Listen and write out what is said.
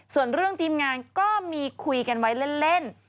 ส่วนเรื่องทีมงานก็มีคุยกันไว้เล่น